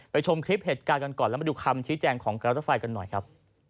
ชมคลิปเหตุการณ์กันก่อนแล้วมาดูคำชี้แจงของการรถไฟกันหน่อยครับ